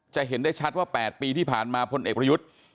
เห็นได้ชัดว่า๘ปีที่ผ่านมาพลเอกประยุทธ์